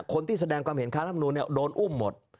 คนที่แสดงความเห็นค้ารับนูนโดนอุ้มหมด